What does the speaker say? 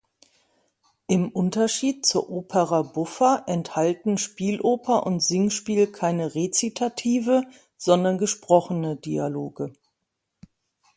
Im Unterschied zur Opera buffa enthalten Spieloper und Singspiel keine Rezitative, sondern gesprochene Dialoge.